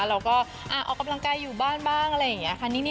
เราก็ออกกำลังกายอยู่บ้านบ้างอะไรอย่างนี้ค่ะ